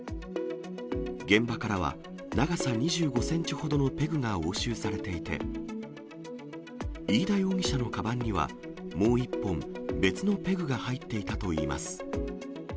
現場からは、長さ２５センチほどのペグが押収されていて、飯田容疑者のかばんにはもう１本、別のペグが入っていたといいます。